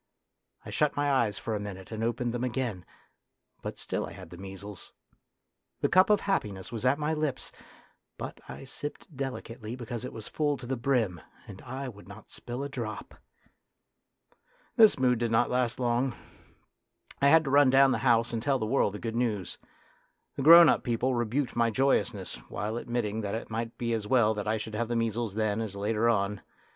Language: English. I shut my eyes for a minute and opened them again, but still I had the measles. The cup of happiness was at my lips, but I 28 A DRAMA OF YOUTH sipped delicately because it was full to the brim, and I would not spill a drop. This mood did not last long. I had to run down the house and tell the world the good news. The grown up people rebuked my joyousness, while admitting that it might be as well that I should have the measles then as later on.